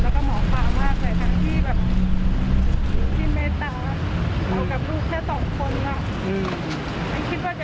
แค่มุ่งแถวแถวสังประดาย